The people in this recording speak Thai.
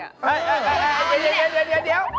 เอ๊ะเดี๋ยวเดี๋ยว